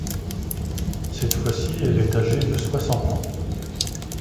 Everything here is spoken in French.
Cette fois-ci, elle est âgée de soixante ans.